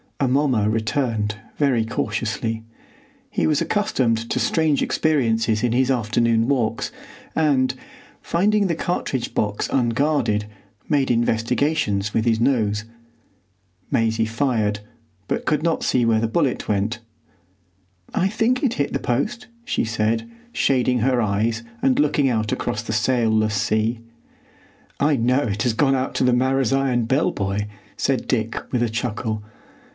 Amomma returned very cautiously. He was accustomed to strange experiences in his afternoon walks, and, finding the cartridge box unguarded, made investigations with his nose. Maisie fired, but could not see where the bullet went. "I think it hit the post," she said, shading her eyes and looking out across the sailless sea. "I know it has gone out to the Marazion Bell buoy," said Dick, with a chuckle.